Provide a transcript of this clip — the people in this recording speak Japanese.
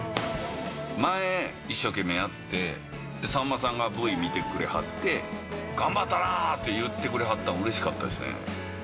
前、一生懸命やって、さんまさんがＶ見てくれはって、頑張ったな！って言ってくれはったの、うれしかったですね。